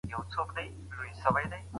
منل سوې لاري له پامه غورځول کيږي.